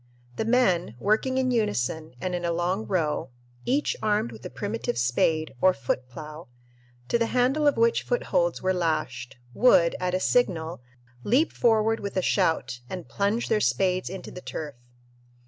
The men, working in unison and in a long row, each armed with a primitive spade or "foot plough," to the handle of which footholds were lashed, would, at a signal, leap forward with a shout and plunge their spades into the turf.